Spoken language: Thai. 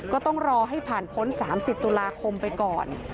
ก็ต้องรอให้ผ่านพ้น๓๐ตุลาคมไปก่อน